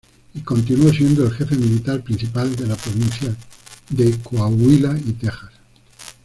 Y continuó siendo el jefe militar principal de la provincia de Coahuila y Texas.